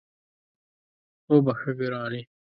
وبخښه ګرانې